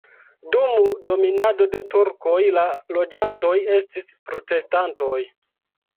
Dum dominado de turkoj la loĝantoj estis protestantoj.